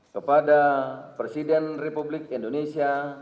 kepada presiden republik indonesia